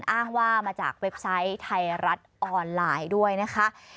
อ้างว่ามาจากเว็บไซต์ไทยรัฐออนไลน์ด้วยนะคะ